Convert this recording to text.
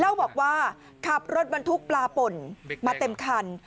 เล่าบอกว่าขับรถบรรทุกปลาป่นมาเต็มคัน